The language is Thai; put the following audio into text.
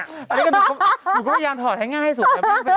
นี่นี่ก็อยากทอดให้ง่ายให้สุด